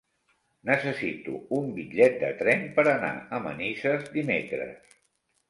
Necessito un bitllet de tren per anar a Manises dimecres.